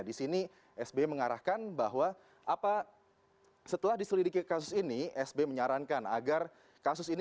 di sini sbi mengarahkan bahwa apa setelah diselidikasi